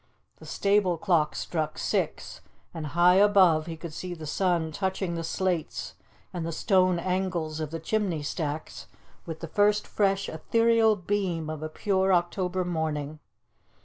The stable clock struck six, and high above he could see the sun touching the slates and the stone angles of the chimney stacks with the first fresh ethereal beam of a pure October morning.